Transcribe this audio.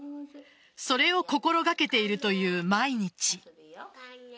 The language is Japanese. それを心掛けているという毎日。